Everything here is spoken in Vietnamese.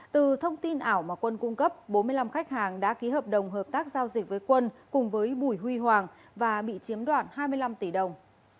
từ thông tin ảo mà quân cung cấp bốn mươi năm khách hàng đã ký hợp đồng hợp tác giao dịch với quân cùng với bùi huy hoàng và bị chiếm đoạt hai mươi năm tỷ đồng